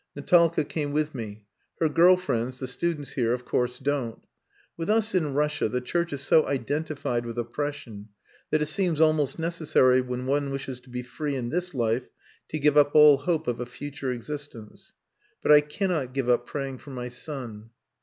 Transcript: "Natalka came with me. Her girl friends, the students here, of course don't.... With us in Russia the church is so identified with oppression, that it seems almost necessary when one wishes to be free in this life, to give up all hope of a future existence. But I cannot give up praying for my son."